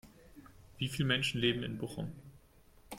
Wie viele Menschen leben in Bochum?